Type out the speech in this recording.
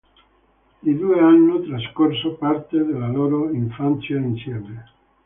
I due hanno trascorso parte della loro infanzia insieme.